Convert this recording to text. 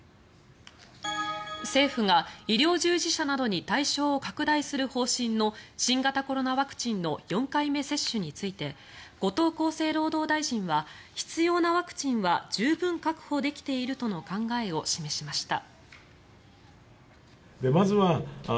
政府が医療従事者などに対象を拡大する方針の新型コロナワクチンの４回目接種について後藤厚生労働大臣は必要なワクチンは十分確保できているとの考えを示しました。